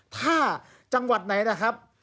ถ้าจังหวัดไหนนะครับ